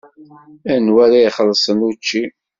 Anwa ara ixellṣen učči?